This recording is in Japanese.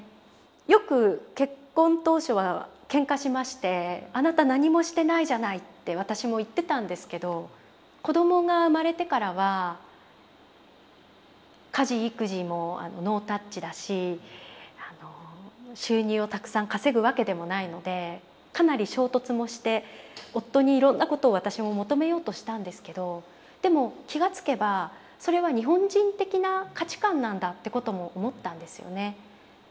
よく結婚当初はけんかしまして「あなた何もしてないじゃない」って私も言ってたんですけど子供が生まれてからは家事育児もノータッチだし収入をたくさん稼ぐわけでもないのでかなり衝突もして夫にいろんなことを私も求めようとしたんですけどでも気が付けばそれは日本人的な価値観なんだということも思ったんですよね。